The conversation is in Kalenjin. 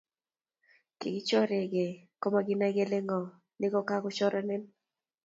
Kichoregei komakinai kele ng'o ne kakochorenen.